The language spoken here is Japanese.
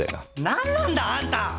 なんなんだあんた！